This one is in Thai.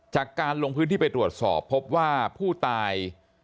จากการลงพื้นที่ไปตรวจสอบพบว่าผู้ตาย